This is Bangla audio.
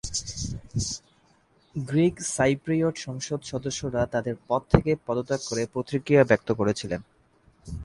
গ্রিক সাইপ্রিয়ট সংসদ সদস্যরা তাদের পদ থেকে পদত্যাগ করে প্রতিক্রিয়া ব্যক্ত করেছিলেন।